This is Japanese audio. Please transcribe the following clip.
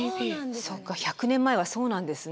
１００年前はそうなんですね。